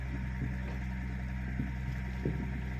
他还从印度东北部报道。